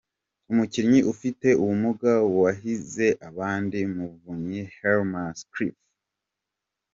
Umukinnyi ufite ubumuga wahize abandi: Muvunyi Hermas Cliff.